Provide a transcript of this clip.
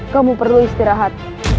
kamu perlu istirahat